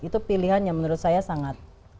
itu pilihan yang menurut saya sangat